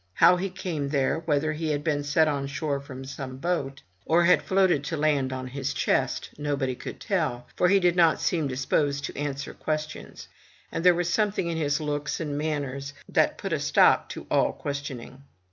How he came there, whether he had been set on shore from some boat, or had 119 M Y BOOK HOUSE floated to land on his chest, nobody could tell, for he did not seem disposed to answer questions; and there was something in his looks and manners that put a stop to all questioning.